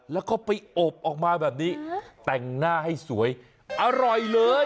แล้วก็ไปอบออกมาแบบนี้แต่งหน้าให้สวยอร่อยเลย